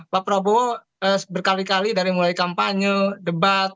pak prabowo berkali kali dari mulai kampanye debat